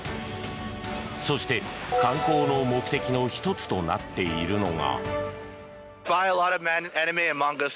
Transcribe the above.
そして、観光の目的の１つとなっているのが。